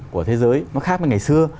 của thế giới nó khác với ngày xưa